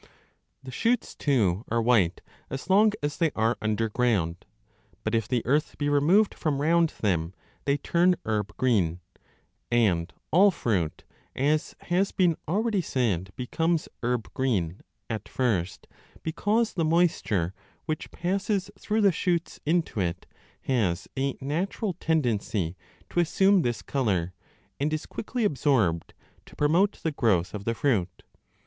The shoots, too, are white as long as they are underground, 15 but if the earth be removed from round them, they turn herb green ; and all fruit, as has been already said, becomes herb green at first, because the moisture, which passes through the shoots into it, has a natural tendency to assume CHAPTER 5 795 a this colour and is quickly absorbed to promote the growth of the fruit.